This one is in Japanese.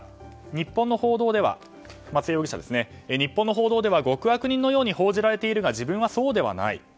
日本の報道では松江容疑者は、極悪人のように報じられているが自分はそうではない。